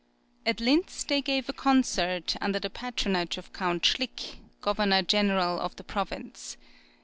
At Linz they gave a concert, under the patronage of Count Schlick, Governor General of the province.